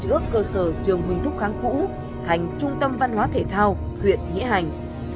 bước cơ sở trường huỳnh thúc kháng cũ thành trung tâm văn hóa thể thao huyện nghĩa hành